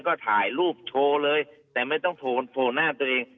ก็ถ่ายรูปโชว์เลยแต่ไม่ต้องโทรหน้าตัวเอง